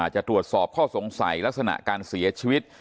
จะตรวจสอบข้อสงสัยลักษณะการเสียชีวิต